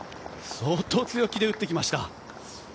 相当強気で打ってきました。